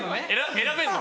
選べんの？